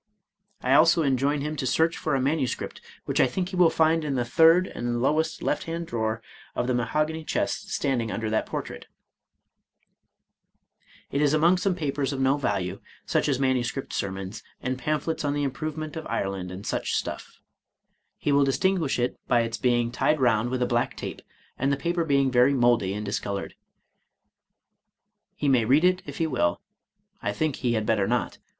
I also enjoin him to search for a manuscript, which I think he will find in the third and lowest left hand drawer of the mahogany chest standing under that portrait, — it is among some papers of no value, such as manuscript sermons, and pamphlets on the improvement of Ire land, and such stuff; he will distinguish it by its being tied round with a black tape, and the paper being very moldy and discolored. He may read it if he will; — I think he had better not.